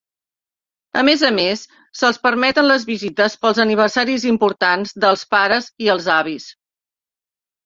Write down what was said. A més a més, se'ls permeten les visites pels aniversaris importants dels pares i els avis.